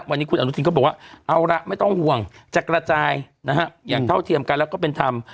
วันนี้คุณอนุทินก็บอกว่าเอาละไม่ต้องห่วงจะกระจายนะฮะอย่างเท่าเทียมกันแล้วก็เป็นธรรม